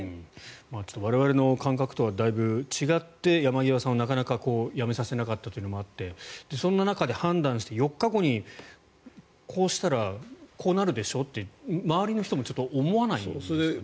ちょっと我々の感覚とはだいぶ違って山際さんをなかなか辞めさせなかったというのもあってそんな中で判断して４日後にこうしたらこうなるでしょって周りの人も思わないんですかね。